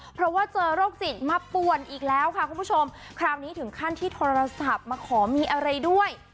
เพราะว่าเจอโรคจิตมาป่วนอีกแล้วค่ะคุณผู้ชมคราวนี้ถึงขั้นที่โทรศัพท์มาขอมีอะไรด้วย